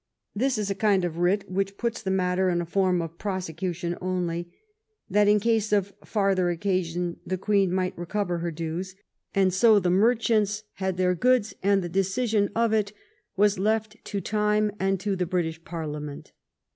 This is a kind of writ which puts the matter in a form of prosecution only, that in case of farther occasion the Queen might recover her dues; and so the merchants had their goods, and the decision of it was left to time and to the British Parliament.